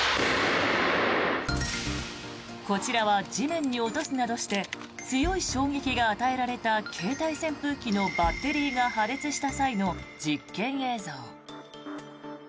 こちらは地面に落とすなどして強い衝撃が与えられた携帯扇風機のバッテリーが破裂した際の実験映像。